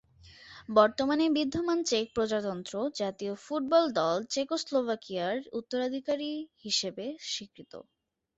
বর্তমানে বিদ্যমান চেক প্রজাতন্ত্র জাতীয় ফুটবল দল চেকোস্লোভাকিয়ার উত্তরাধিকারী হিসেবে স্বীকৃত।